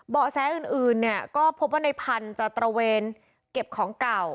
แสอื่นเนี่ยก็พบว่าในพันธุ์จะตระเวนเก็บของเก่า